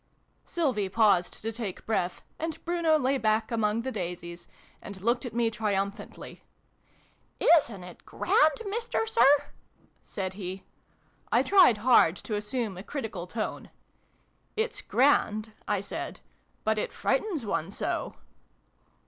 " (Sylvie paused to take breath, and Bruno lay back among the daisies, xv] THE LITTLE FOXES. 243 and looked at me triumphantly. " Isn't it grand, Mister Sir ?" said he. I tried hard to assume a critical tone. " It's grand," I said : "but it frightens one so!"